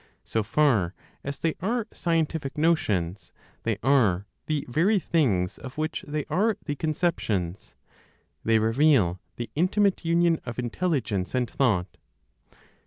So far as they are scientific notions, they are the very things of which they are the conceptions; they reveal the intimate union of intelligence and thought.